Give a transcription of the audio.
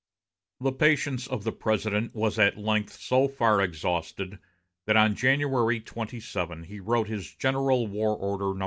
The patience of the President was at length so far exhausted that on January 27 he wrote his General War Order No.